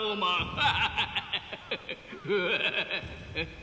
フハハハ。